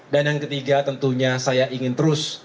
dan yang ketiga tentunya saya ingin terus